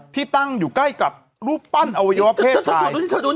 ที่ตั้งอยู่ใกล้กับรูปปั้นอวัยวะเพศชาย